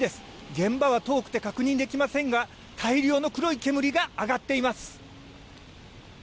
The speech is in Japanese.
現場は遠くて確認できませんが大量の黒い煙が上がっています。